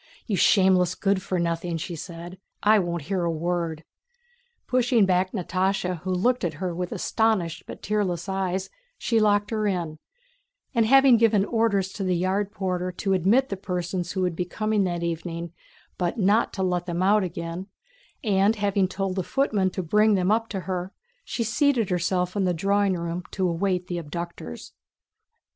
"You shameless good for nothing!" said she. "I won't hear a word." Pushing back Natásha who looked at her with astonished but tearless eyes, she locked her in; and having given orders to the yard porter to admit the persons who would be coming that evening, but not to let them out again, and having told the footman to bring them up to her, she seated herself in the drawing room to await the abductors.